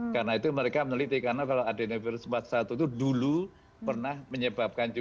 karena itu mereka meneliti karena kalau adenovirus empat puluh satu itu dulu pernah menyebabkan juga